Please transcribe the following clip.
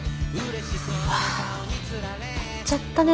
うわやっちゃったね